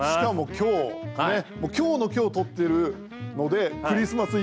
今日の今日、撮っているのでクリスマスイブ。